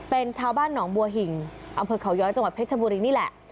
เป็นชาวบ้านหนองบัวหิ่งอำเภอเขาย้อยจังหวัดเพชรชบุรีนี่แหละ